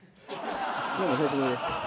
どうもお久しぶりです。